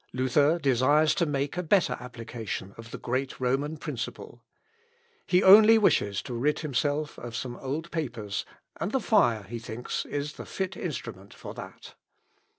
Luther desires to make a better application of the great Roman principle. He only wishes to rid himself of some old papers, and the fire, he thinks, is the fit instrument for that.